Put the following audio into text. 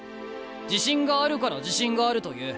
自信があるから自信があると言う。